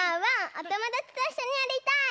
おともだちといっしょにやりたい！